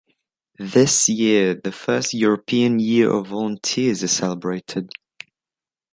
This year, the first European Year of Volunteers is celebrated.